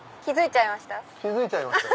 気付いちゃいましたよ。